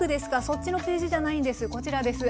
そっちのページじゃないんですよこちらです。